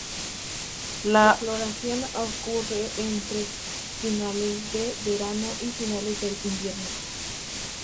La floración ocurre entre finales de verano y finales del invierno.